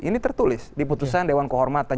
ini tertulis di putusan dewan kehormatan